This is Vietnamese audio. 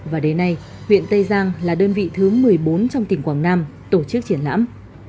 và đến nay huyện tây giang là đơn vị thứ một mươi bốn trong tỉnh quảng nam tổ chức triển lãm